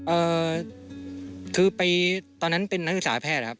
เอ่อคือไปตอนนั้นเป็นนักศึกษาแพทย์ครับ